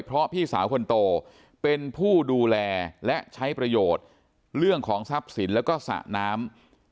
เพราะพี่สาวคนโตเป็นผู้ดูแลและใช้ประโยชน์เรื่องของทรัพย์สินแล้วก็สระน้ำ